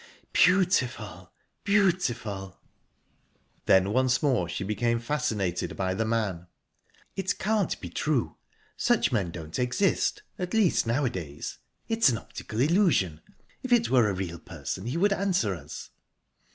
"Beautiful! beautiful!..." Then once more she became fascinated by the man. "It can't be true. Such men don't exist at least, nowadays. It's an optical illusion. If it were a real person he would answer us."